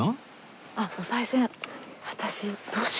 あっおさい銭。